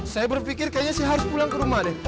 saya berpikir kayaknya saya harus pulang ke rumah deh